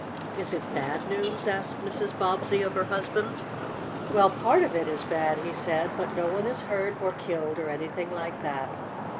"Is it bad news?" asked Mrs. Bobbsey of her husband. "Well, part of it is bad," he said. "But no one is hurt, or killed or anything like that."